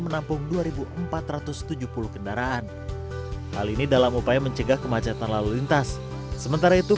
menampung dua ribu empat ratus tujuh puluh kendaraan hal ini dalam upaya mencegah kemacetan lalu lintas sementara itu